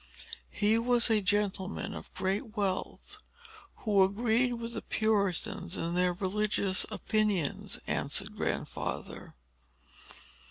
"He was a gentleman of great wealth, who agreed with the Puritans in their religious opinions," answered Grandfather.